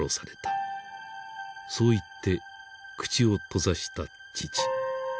そう言って口を閉ざした父。